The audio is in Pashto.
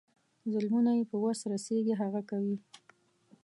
ظلمونه یې په وس رسیږي هغه کوي.